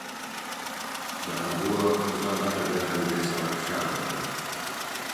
د حبو اخند زاده هدیره د دې سړک شاته ده.